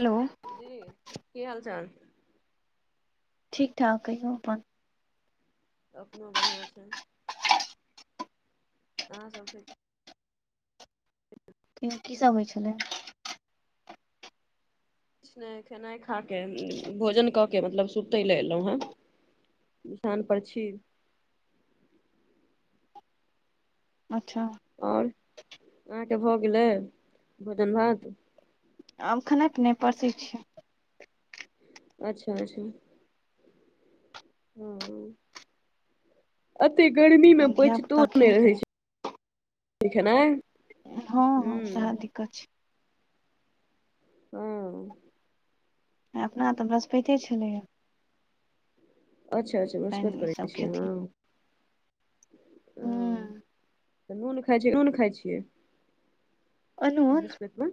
Hello जी की हाल चाल ठीक ठाक कहियौ अपन त अपनो बढ़िआँ छै हँ सब ठीक ह [inaudible] की सब होइ छलै किछ नहि खेनाइ खा क भोजन कऽ के मतलब सुतै लए एलहुँ हेँ बिछान पर छी अच्छा आओर अहाँके भऽ गेलै भोजन भात आब खेनाइ पिनाइ परसै छियै अच्छा अच्छा अते गर्मी मे धिया पचतो पुता मे खेलकै रहे छै खेनाइ हँ हूँ सैह दिक्कत छै हम्म अपना तऽ बृहस्पैते छलैया अच्छा अच्छा तैं वृहस्पत ई सब करैत छियै हाँ खेथिन ओ हूं तऽ नून खाइ छै अनून खाइ छियै अनून वृहस्पति मे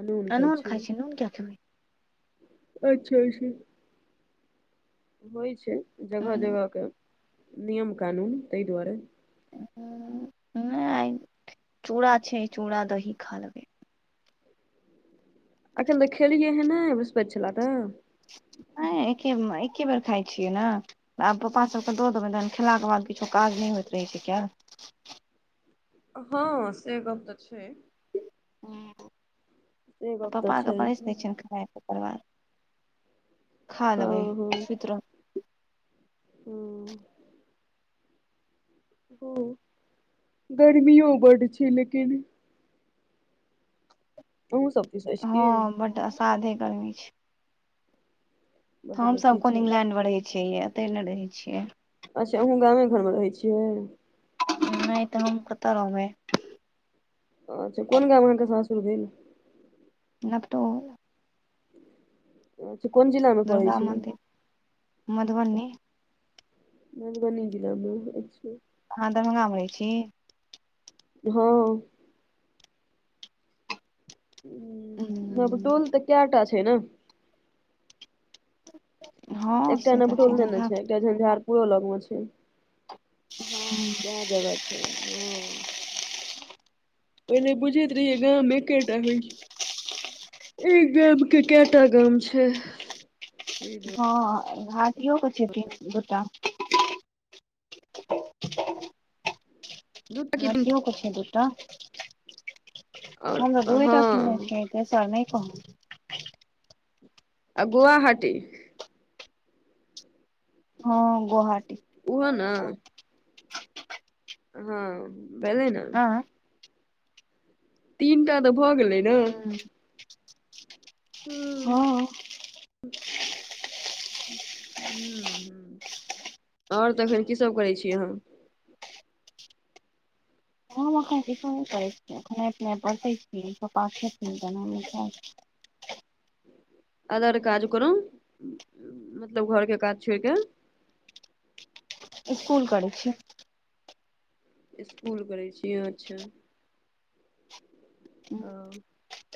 अनून खाय खाइ छियै छै नून किया खेबै अच्छा अच्छा होइ छै जगह जगहके नियम कानून ताहि दुआरे हँ नहि चूड़ा छै चूड़ा दही खा लेबै एखन तऽ खेलियै हे ने वृहस्पैत छले तऽ नै एके एके बेर खाय छियै ने आब पप्पास सभकेँ दऽ देबनि तहन खेलाके बाद किछो काज नहि होइत रहै छै केल हँ से गप तऽ छै हँ से गप तऽ पप्पा के छै पड़ैस दै छियनि खाय ले ओकर बाद खा हँ लेबै सुति रहबै हूँ हम्म गर्मी हो बड्ड छै लेकिन ओहो सब दिस अछि हँ की बड्ड असाधे गर्मी छै बड्ड हमसभ बेसी कोन छै इंग्लैण्डमे रहैत छियै एतहि नहि रहैत छियै अच्छा अहूँ गामे घरमे रहैत छियै नहि तऽ हम कता रहबै अच्छा कोन गाममे अहाँक सासुर भेल नबटोल अच्छा कोन जिलामे पड़ै दुर्गा छै मन्दिर मधुबनी मधुबनी जिलामे अच्छा अहाँ दरभंगा मे रहै छी हँ उम्म नबटोल तऽ कयटा छै ने हँ एकटा से तऽ नबटोल नै ने हँ छै एकटा झंझाड़पुर पूऱ लग मे छै कै जगह छै हँ पहिले बुझैत रहियै गाममे एकककेटा होइ एक गव के कैटा गाम छै हँ ह दऔक छथि गोटा दूटा कि हँ ज तीनटा किछ दू त हम आओर त दूर हँ त सुनने आर नहि कह आ गुवाहाटी हँ गुआहाटी ओहो ने हँ भेलै नऽ आँ तीनटा तऽ भऽ गेलै ने हँ [inaudible] हँ हँ आओर तखन की सब करै छी अहाँ हम एखन किछो नहि करै छिय अपने बते छी पप्पा खेतहिन तहन हमहुँ खैब अदर काज कोनो मतलब घर के काज छोड़ क स्कुल करै छी स्कुल करै छियै अच्छा ओ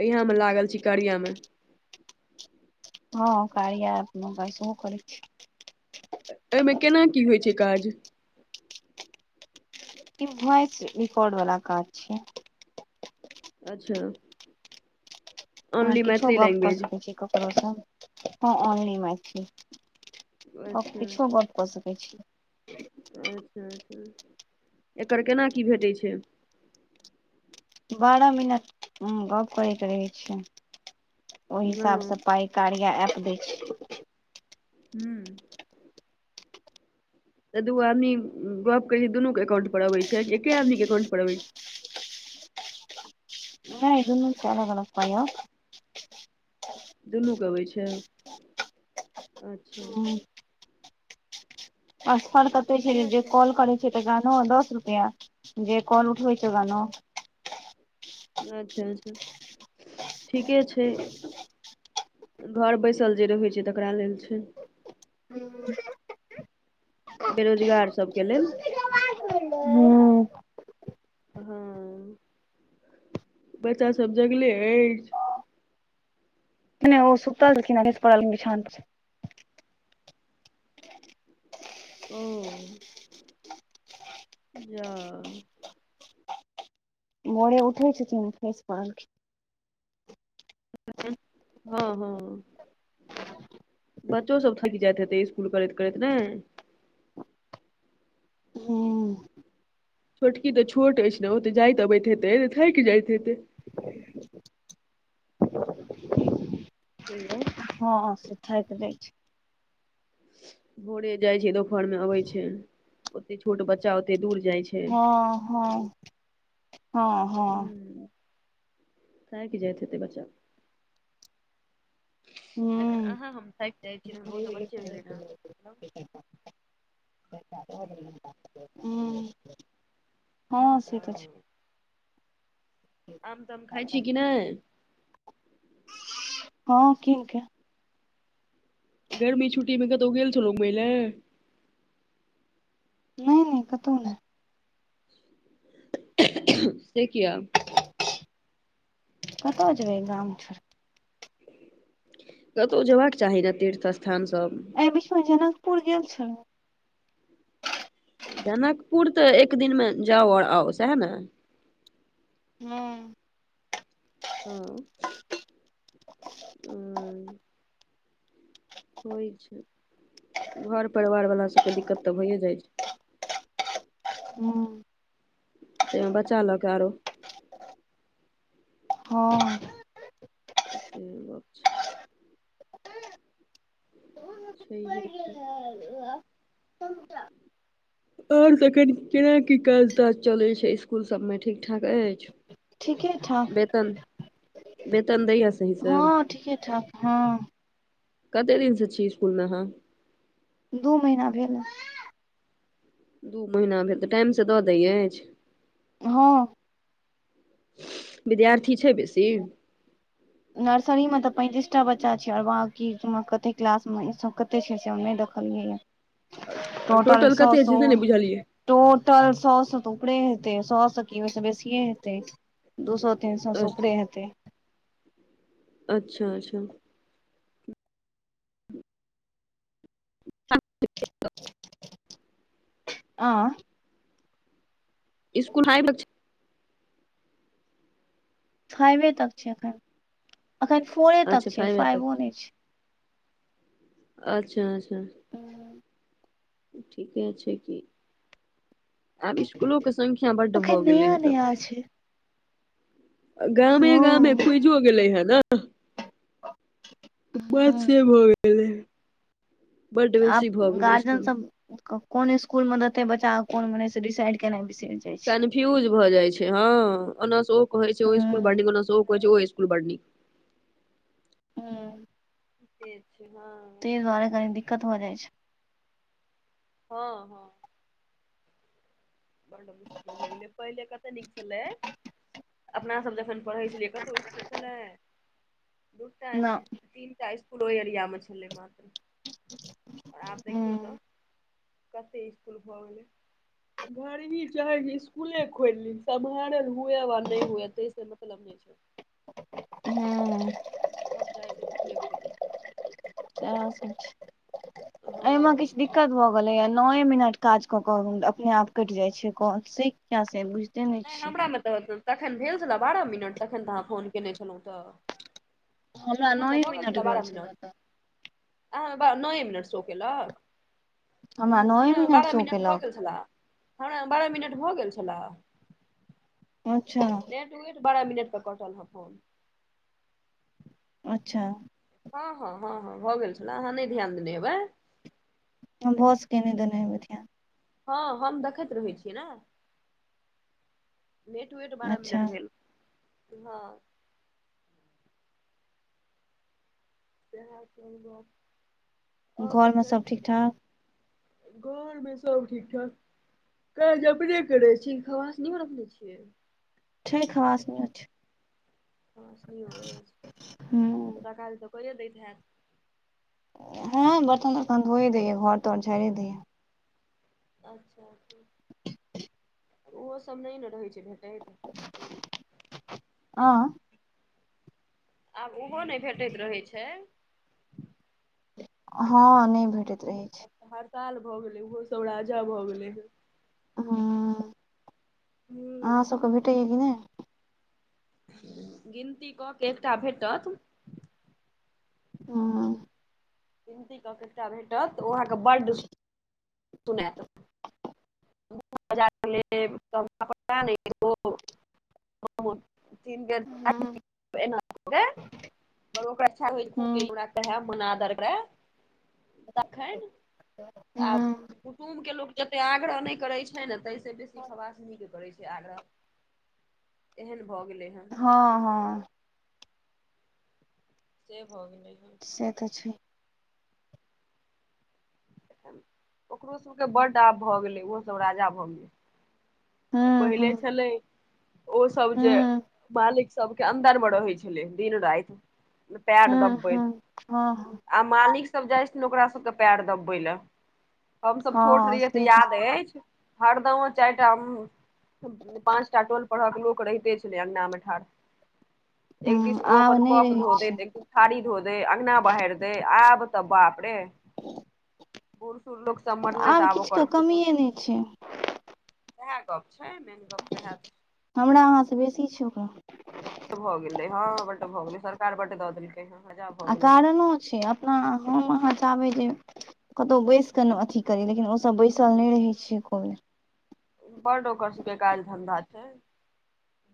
इहमे लागल छी करियामे हँ क मगै कर [unintelligible] एहिमे केना की होइत छै काज कि वॉइस रिकॉर्ड वाला काज छै अच्छा अहाँ ओनली किछो मैथिली गप्प कऽ लैंग्वेज सकैत छी ककरोसँ हँ ऑनली मैथिली अच्छा किछु अच्छा गप्प कऽ सकै छी अच्छा अच्छा एकर केना की भेटैत छै बारह मिनट गप्प करै के रहे छै ओहि हँ हिसाब सँ पाइ कार्या एप दै छै ह्म तऽ दू आदमी गप्प करै छै दुनू के एकाउंट पर अबै छै कि एके आदमी के एकाउंट पर अबे छै नहि दुनू के अलग अलग पाइ आओत दुनूके अबै छै अच्छा आ फर्क अते छै जे कॉल करै छै तकरा ने दस रुपैया जे कॉल उठबै छै ओकरा नौ अच्छा अच्छा ठीके छै घर बैसल जे रहैत छै तकरा लेल छै बेरोजगार सबके लेल हूँ हँ बच्चा सब जगले अछि नहि ओ सुतल छेलखिन बस पड़ल बिछान पर छेल ओ जा भोड़े उठै छथीन तऽ खसि पड़लखिन [unintelligible] [unintelligible] हँ हँ बच्चो सब थकि जाइत हेतै स्कुल करैत करैत ने हूँ। छोटकी तऽ छोट अछि ने ओ तऽ जाइत अबैत हेतैऽ थकि जाइत हेतै [unintelligible] हँ से थाकि जाइ छै भोरे जाय छै दुोपहर मे अबै छै ओते छोट बच्चा ओते दूर जाय छै ह हँ हँ हँ हँ थाकि जायत हेतै बच्चा जखैन हुँ अहाँ हम थाकि जाइ छियै तऽ ओ तऽ बच्चे भेलै ने हूँ हँ से तऽ छै आम ताम खाइ छी कि नहि हँ कीन के गर्मी छुटी मे कतो गेल छलौ [unintelligible] घुमै ले नहि नहि कतहु नहि से किया कतऽ जेबै गाम छोड़ि कतौ जेयशबाक चाही ने तीर्थ स्थान सब एहि बीचमे जनकपुर गेल छलौ जनकपुर तऽ एक दिनमे जाउ आओर आउ सएह ने हँ हँ ओ ठीक छै घर परिवार बला सभके दिक्कत तऽ भइए जाइत छै हूँ तैमे बच्चा लऽ के आरो हँ तऽ से बात छै [unintelligible] और तखैन केना की काज ताज चलैत छै स्कुल सभमे ठीक ठाक अछि ठीके ठाक बेेतन बेेतन दैये स हँ ठीके ठाक हँ कते दिन स छी इसकुल मे अहाँ दू महीना भेल दू महीना भेल तऽ टाइम सँ दऽ दैय अछि हँ विद्यार्थी छै बेसी नर्सरी मे तऽ पैंतीसटा बच्चा छै आओर बाँकी कते क्लास मे ई कते छै से ओ ने देखलियैए टोटल कतेै छै से ने बुझलियए टोटल सए सए तऽ उपरे हेतै सए सए की ओहिसँ बेसिए हेतै दू सए ते सअ उपरे हेतै अच्छा अच्छा आ इसकु हइ बचा फाइवे तक छै एखन एखन फोरे तक अच्छा छै फाइवे तक फाइवो नहि छै अच्छा अच्छा हूँ ठीके छै कि आब इस्कुलोे संख्या बड्ड भऽ गेलै हे तब अछे गामे गामे हँ खुइजो गेलै हे न बस से हूँ भऽ गेलै बड् आब बेसी भऽ गेलै गार्जियन स्कुल सब कोन स्कूल मे देते बच्चा कोन मे ने से डिसाइड केनाइ बिसर कन्फ्यूज भऽ जाइ छै हँ ओना स ओ कहै छै ओ इसकूल हूँ बडड निक होइ ओना सँ ओ कहै छै ओ इस्कूल बडड नीक हूँ से छै हँ ताहि दुआरे कनी दिक्कत भ जाइ छै हँ हँ बड्ड मुश्किल भ गेलै पहिले कतय नीक छलै अपना सब जखन पढ़ै छलियै कतो इसकुल छलै दूटा न इसकुल तीनटा इसकुल ओहि एरिया मे छलै मात्र आओर आब हूँ देखियौ तऽ कते इसकुल भै घर ही चाहे छै इसकुले खोलि ली सम्हारल हुए वा न नहि हुए ताहिस मतलब नै छै हुँ सब चाहे छै इसकूल खोइल ली एहिमे किछ हँ दि दिक्कत भऽ गेले या नए मिनट काज क के अपने आप कटि जाय छै काल से कया से बुझ नहि हमरा मे तऽ तखन भेल छलए बारह मिनट तखन तऽ अहाँ फोन कयने छलहुँ तऽ हमरा तखन तऽ नौए भऽ गेल मिनट छला तऽ भेल बारह छलए मिनट तऽ आ नए मिनट सौ केलक नौए हमरा बारह शो मिनट भऽ केलक गेल छलए हमरा बारह मिनट भऽ गेल छलए अच्छा एक्युरेंट बारा मिनट पर कटल ह फोन अच्छा हँ हँ हँ हँ भऽ गेल छलए अहाँ नहि ध्यान देने हेबै भऽ सकैया नै देने हैबे ध्यान हँ हम देखैत रहे छियै ने मेट वट बारह मिनट अच्छा भेल हँ सेहे सब गप्प आओर घरमे तखन सब ठीक ठाक घर मे सब ठीक ठाक काज अपरने करै छी खबासनियो रखने छियै छै खबासनियो छै खबासनियो अछि हूँ सबटा काज त कइये दैत हैत हँं बर्तन तर्तन धोइए दैयै घर तर झड़ि दैयए अच्छा ओहो सभ नहि ने रहै छै भेल आ आब ओहो नहि भेटैत रहै छै हँ नइ भेटैत रहै छै हड़ताल भऽ गेलै ओहोसभ राजा भऽ गेलै हेँ ह अहाँ हूँ सबके भेटैया कि नहि गिनती कऽ के एकटा भेटत हँ गिनती कऽ क एकटा भेटत ओ अहाँकेँ बड्ड सुनायत [unintelligible] हूँ [unintelligible] पर अच्छा हो हूँ कहैब हूँ [unintelligible] जते आग्रह नहि करैत छैन ताहि से बेसी खवास नीक करैत छै आग्रह एहन भऽ गेलै हेँ हँ हँ से भऽ गेलै हन से तऽ छै ओकरो सबके बड्ड आब भऽ गेलै ओहो सब राजा भऽ गेलै हूँ पहिल हूँ छलै ओ सब जे हूँ मालिक सबके अन्दर मे रहै छलै दिन राति पेर हूँ दबबैत हूँ हँ हँ आब मालिक सब जाय छै ने ओकरा सबके पैर दबे लए हमसभ छोट हँ रहियै से तऽ याद अछि हरदम ओ चारि टा हम पाँच टा टोल परहक लोक रहिते छलै अङंगगना मे ठाढ़ एक हूँ दिस ओ आब अपन नहि कप रहै धो छै दैत एक दिस थड़ी धो दे अङ्गना बहारि देय आब त बाप रे बूढ़ सूढ़ लोक सब मरलै आब तऽ आबो किछुके कर पुतहु कमिए सब नहि छै सेएह गप छै मेन गप सैह हमरा अहाँ सँ बेसी छै ओकरा बड्ड भ गेलै हँ बड्ड भऽ गेलै सरकार बोटे दऽै तहिना हजाम आ कारणो छै अपना हम अहाँ चाहबै जे कतहु बैस कऽ ने अथी करी लेकिन ओसभ बैसल नहि रहै छियै एको बेर ब्ड ओकर सबके काज धन्धा छै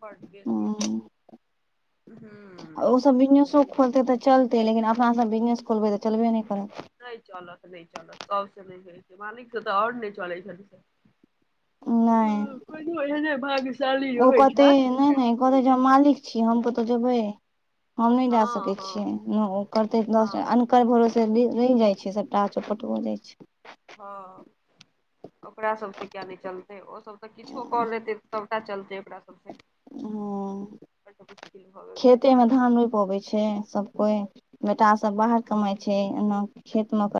बड्ड बेसी हूँ हूँ बिनयसो खोलतै तऽ चलतै लेकिन अपनासँब बिजनेस खोलबै तऽ चलबे नहि करत नहि चलत नहि चलत सबस नहि होइ छै मालिक से तऽ आओर नहि चलै छथि नहि ह कोनो एहने भाग्यशाली रहैत छथि जिनका सँ चलि जाइत छ छि हम कतहु जेबै हम नहि जा सकै हँ छियै हँ ओ करतै हँ अनकर भरोसे से रहि जाइ छै सभटा चौपट भ जाइत छै हँ ओकरा सब तऽ किया नहि चलतै ओ सब तऽ किछो कऽ लेतै तब सबटा चलतै ओकरा सबके ह भऽ गेल छै गाम खेतेमे घरमे धान रोप आबै छै सभ कोइ बेटा सब बाहर हँ कमाई छै एना खेत मे क